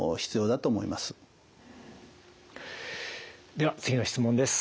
では次の質問です。